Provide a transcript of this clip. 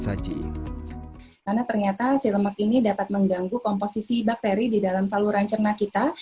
karena ternyata si lemak ini dapat mengganggu komposisi bakteri di dalam saluran cerna kita